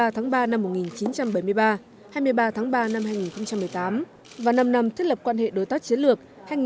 hai mươi tháng ba năm một nghìn chín trăm bảy mươi ba hai mươi ba tháng ba năm hai nghìn một mươi tám và năm năm thiết lập quan hệ đối tác chiến lược hai nghìn một mươi ba hai nghìn một mươi tám